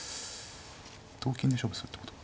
同金で勝負するってこと？